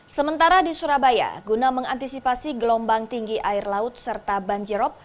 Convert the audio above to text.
sementara di surabaya guna mengantisipasi gelombang tinggi air laut serta banjirop